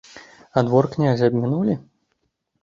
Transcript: А двор князя абмінулі?